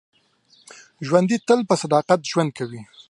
ژوندي تل په صداقت ژوند کوي